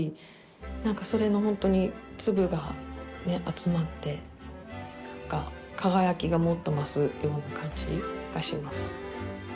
それのほんとに粒がね集まって輝きがもっと増すような感じがします。